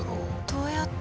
どうやって？